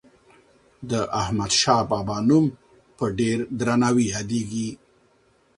د احمدشاه بابا نوم په ډېر درناوي یادیږي.